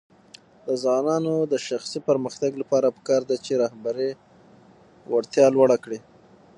د ځوانانو د شخصي پرمختګ لپاره پکار ده چې رهبري وړتیا لوړه کړي.